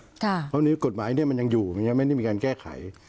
เพราะนี้กฎหมายมันยังอยู่มันยังไม่ได้มีการแก้ไข